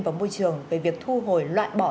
và môi trường về việc thu hồi loại bỏ